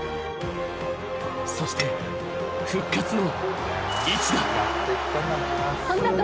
そして、復活の一打。